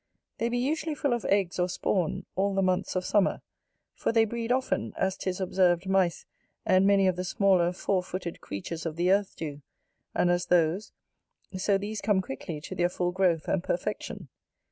They be usually full of eggs or spawn, all the months of summer; for they breed often, as 'tis observed mice and many of the smaller four footed creatures of the earth do and as those, so these come quickly to their full growth and perfection.